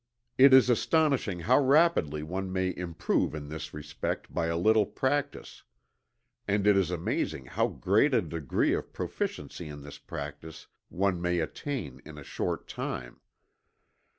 It is astonishing how rapidly one may improve in this respect by a little practice. And it is amazing how great a degree of proficiency in this practice one may attain in a short time.